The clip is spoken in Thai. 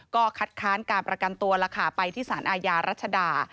ก็คัดค้านการประกันตัวแล้วค่ะไปที่สารอาญารัชดา